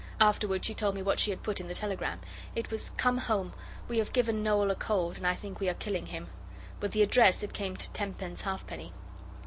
Afterwards she told me what she had put in the telegram. It was, 'Come home. We have given Noel a cold, and I think we are killing him.' With the address it came to tenpence halfpenny.